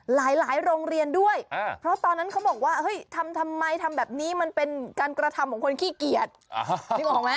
หลายโรงเรียนด้วยเพราะตอนนั้นเขาบอกว่าเฮ้ยทำทำไมทำแบบนี้มันเป็นการกระทำของคนขี้เกียจนึกออกไหม